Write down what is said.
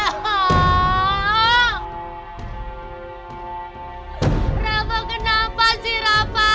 rafa kenapa sih rafa